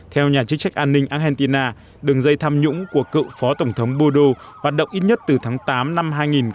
theo nhà chức trách an ninh argentina đường dây tham nhũng của cựu phó tổng thống budu hoạt động ít nhất từ tháng tám năm hai nghìn chín